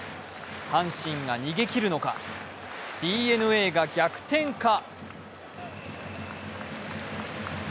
阪神が逃げ切るのかＤｅＮＡが逆転か。